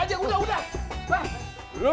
aduh kagak mau rebutin